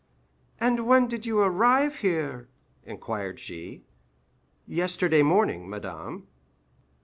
"And when did you arrive here?" inquired she. "Yesterday morning, madame."